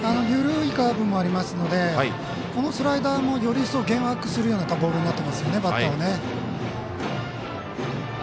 緩いカーブもありますのでこのスライダーもより一層幻惑するようなボールになってますよね